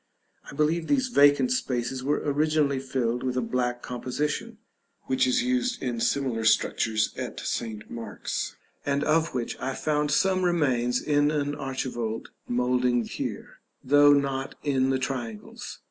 I believe these vacant spaces were originally filled with a black composition, which is used in similar sculptures at St. Mark's, and of which I found some remains in an archivolt moulding here, though not in the triangles.